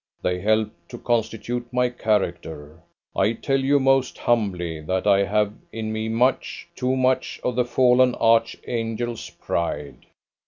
They help to constitute my character. I tell you most humbly that I have in me much too much of the fallen archangel's pride."